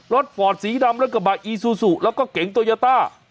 รถปอดสีดำแล้วก็บาอีซูซูแล้วก็เก๋งโตยาต้า